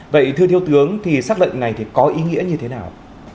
vậy thưa thiếu tướng thì sắc lệnh này có ý nghĩa như thế nào